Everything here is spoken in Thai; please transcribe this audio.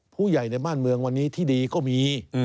ผู้ใหญ่ในบ้านเมืองวันนี้ที่ดีก็มี